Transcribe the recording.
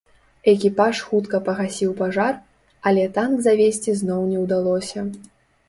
Экіпаж хутка пагасіў пажар, але танк завесці зноў не удалося.